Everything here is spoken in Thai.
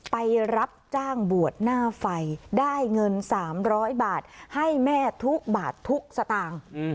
ไปรับจ้างบวชหน้าไฟได้เงิน๓๐๐บาทให้แม่ทุกบาททุกสตางค์